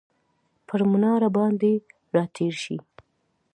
پر مناره باندې راتیرشي،